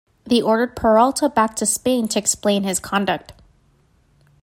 They ordered Peralta back to Spain to explain his conduct.